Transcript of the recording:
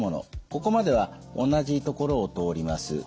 ここまでは同じところを通ります。